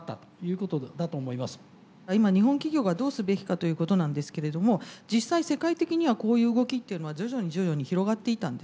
今日本企業がどうすべきかということなんですけれども実際世界的にはこういう動きっていうのは徐々に徐々に広がっていったんですね。